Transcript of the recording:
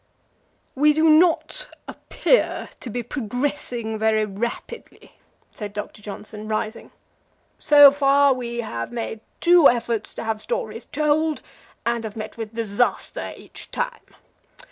"We do not appear to be progressing very rapidly," said Doctor Johnson, rising. "So far we have made two efforts to have stories told, and have met with disaster each time.